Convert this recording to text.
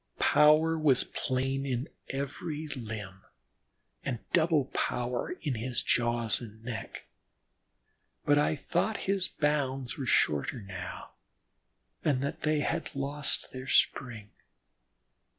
Power was plain in every limb, and double power in his jaws and neck, but I thought his bounds were shorter now, and that they had lost their spring.